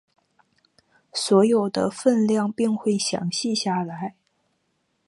所得的份量并会详细记录下来。